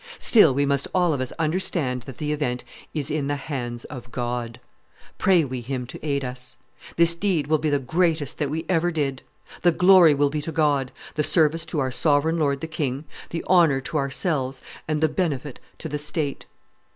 Still we must all of us understand that the event is in the hands of God. Pray we Him to aid us. This deed will be the greatest that we ever did; the glory will be to God, the service to our sovereign lord the king, the honor to ourselves, and the benefit to the state.